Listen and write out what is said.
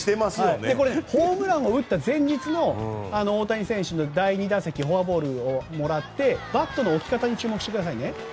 ホームランを打った前日の大谷選手の第２打席フォアボールをもらってバットの置き方に注目してくださいね。